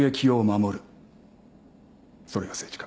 それが政治家。